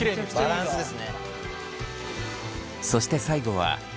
バランスですね。